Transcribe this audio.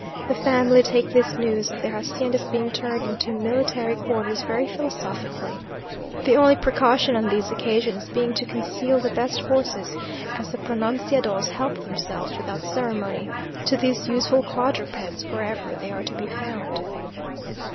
The family take this news of their hacienda's being turned into military quarters very philosophically; the only precaution on these occasions being to conceal the best horses, as the pronunciados help themselves, without ceremony, to these useful quadrupeds, wherever they are to be found.